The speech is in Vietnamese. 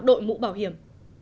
đội mũ bảo hiểm